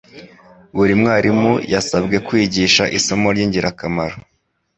buri mwarimu yasabwe kwigisha isomo ry'ingirakamaro.